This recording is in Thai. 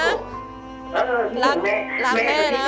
เออรักแม่นะ